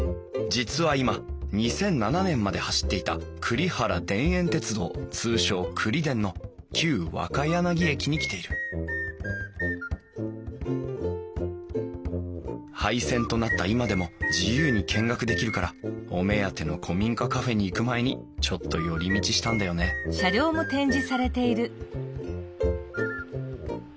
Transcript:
実は今２００７年まで走っていたくりはら田園鉄道通称くりでんの旧若柳駅に来ている廃線となった今でも自由に見学できるからお目当ての古民家カフェに行く前にちょっと寄り道したんだよねホホホホ